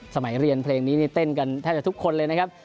สมัยเรียนเพลงนี้นี่เต้นกันแทบจะทุกคนเลยนะครับ